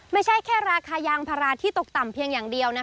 ไม่ใช่แค่ราคายางพาราที่ตกต่ำเพียงอย่างเดียว